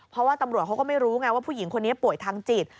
เพราะว่าตำรวจเขาก็ไม่รู้ไงว่าผู้หญิงคนนี้ป่วยทางจิต